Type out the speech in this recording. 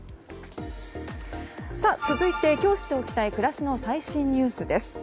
続いて、今日知っておきたい暮らしの最新ニュースです。